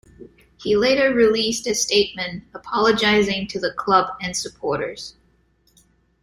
He later released a statement apologising to the club and supporters.